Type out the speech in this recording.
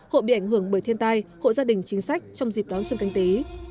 hộ bị ảnh hưởng bởi thiên tai hộ gia đình chính sách trong dịp đón xuân canh tí